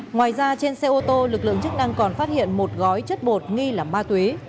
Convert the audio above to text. ngoài ra trên xe ô tô lực lượng chức năng còn phát hiện một gói chất bột nghi là ma túy